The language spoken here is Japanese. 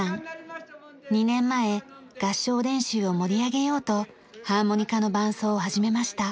２年前合唱練習を盛り上げようとハーモニカの伴奏を始めました。